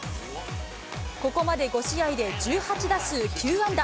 ここまで５試合で１８打数９安打。